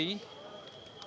ini dia hera